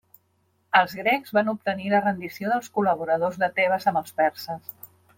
Els grecs van obtenir la rendició dels col·laboradors de Tebes amb els perses.